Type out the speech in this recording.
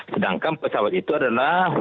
sedangkan pesawat itu adalah